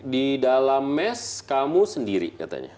di dalam mes kamu sendiri katanya